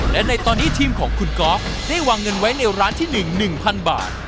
และในตอนนี้ทีมเขาคุณก๊อฟเต้นวังเงินไว้ในร้านที่๑นึงพันบาท